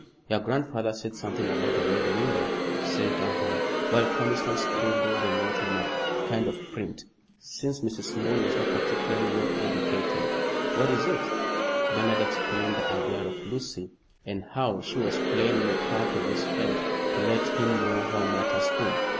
"Your grandfather said something about the Red Window," said Durham, while Conniston scribbled the note in a kind of print, since Mrs. Moon was not particularly well educated. "What is it?" Bernard explained the idea of Lucy, and how she was playing the part of his friend, to let him know how matters stood.